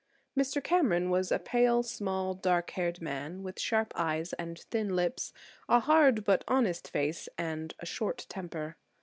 Mr. Cameron was a pale, small, dark haired man, with sharp eyes and thin lips; a hard, but honest face, and a short temper.